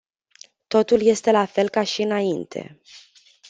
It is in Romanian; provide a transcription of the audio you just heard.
Totul este la fel ca și înainte.